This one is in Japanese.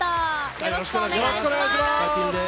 よろしくお願いします。